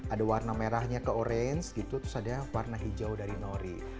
ada warna merahnya ke orange gitu terus ada warna hijau dari nori